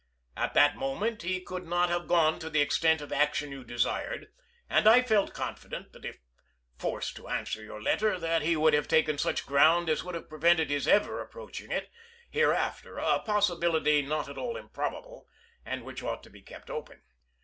At that moment he could not have gone to the ex tent of action you desired, and I felt confident that if forced to answer your letter then he would have taken such ground as would have prevented his ever approach ing it hereafter, a possibility not at all improbable, and which ought to be kept open.